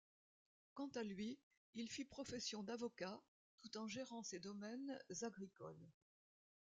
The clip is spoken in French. Quant à lui, il fit profession d'avocat, tout en gérant ses domaines agricoles.